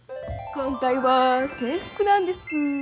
今回は制服なんです。